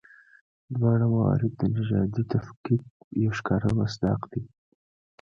دواړه موارد د نژادي تفکیک یو ښکاره مصداق دي.